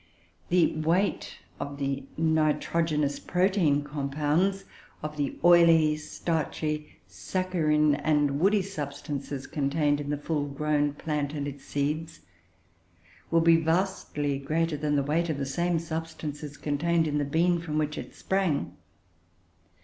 The weight of the nitrogenous protein compounds, of the oily, starchy, saccharine and woody substances contained in the full grown plant and its seeds, will be vastly greater than the weight of the same substances contained in the bean from which it sprang.